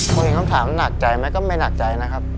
คำถามหนักใจไหมก็ไม่หนักใจนะครับ